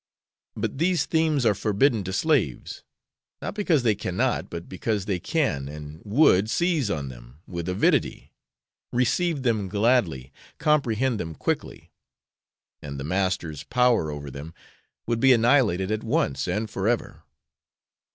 But these themes are forbidden to slaves, not because they cannot, but because they can and would seize on them with avidity receive them gladly, comprehend them quickly; and the masters' power over them would be annihilated at once and for ever.